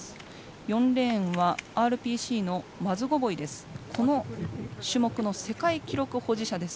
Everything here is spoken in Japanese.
４レーンはＲＰＣのマズゴボイです。